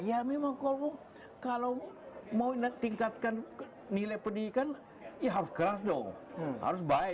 ya memang kalau mau tingkatkan nilai pendidikan ya harus keras dong harus baik